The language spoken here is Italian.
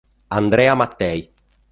Andrea Mattei